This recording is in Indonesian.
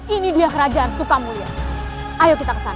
ini dia kerajaan sukamulya ayo kita kesana